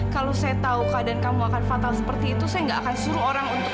kalau saya tahu keadaan kamu akan fatal seperti itu saya nggak akan suruh orang untuk